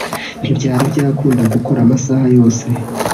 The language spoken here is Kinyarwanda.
Ntibyari byakunda gukora amasaha yose